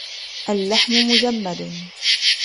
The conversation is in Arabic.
اللحم مجمد.